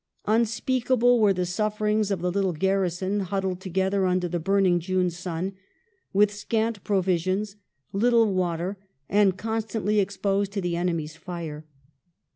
Unspeak able were the sufferings of the little gai rison, huddled together under the burning June sun : with scant provisions, little water, and constantly exposed to the enemy's fire.